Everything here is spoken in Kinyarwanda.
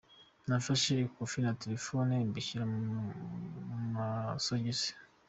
Nafashe ikofi na telefoni mbishyira mu masogisi.